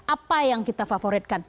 apa yang kita favoritkan